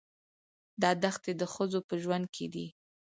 دا دښتې د ښځو په ژوند کې دي.